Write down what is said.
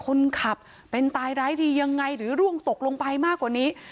คนขับเป็นตายร้ายดียังไงหรือร่วงตกลงไปมากกว่านี้